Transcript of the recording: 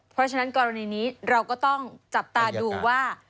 เพราะฉะนั้นกรณีนี้เราก็ต้องจับตาดูว่า